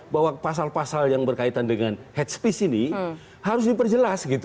bahwa pasal pasal yang berkaitan dengan headspace ini harus diperjelas